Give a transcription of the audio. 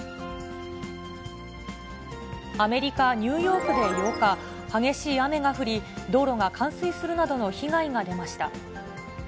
アメリカ・ニューヨークで８日、激しい雨が降り、道路が冠水するなどの被害が出ました。